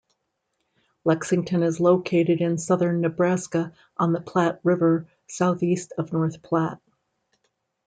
Lexington is located in southern Nebraska, on the Platte River, southeast of North Platte.